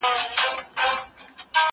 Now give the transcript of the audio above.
زه له سهاره مېوې راټولوم،